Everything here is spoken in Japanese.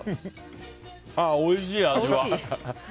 ああ、おいしい、味は。